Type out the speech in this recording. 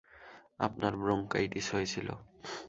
আপনার ব্রঙ্কাইটিস হয়েছিল।